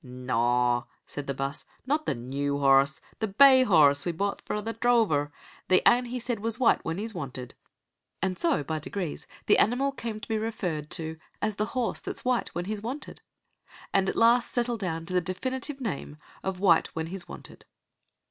"Naw," said the boss, "not the new horrse that bay horrse we bought frae the drover. The ane he said was white when he's wanted." And so, by degrees, the animal came to be referred to as the horse that's white when he's wanted, and at last settled down to the definite name of "White when he's wanted".